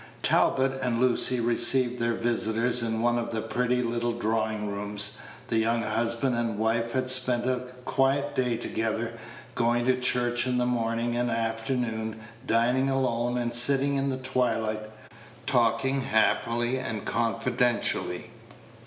Talbot and Lucy received their visitors in one of the pretty little drawing rooms. The young husband and wife had spent a quiet day together; going to church in the morning and afternoon, dining alone, and sitting in the twilight, talking happily and confidentially.